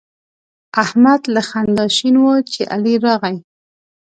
احمد له خندا شین وو چې علي راغی.